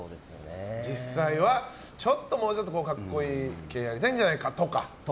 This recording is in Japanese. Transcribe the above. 実際はもうちょっと格好いい系やりたいんじゃないかとか。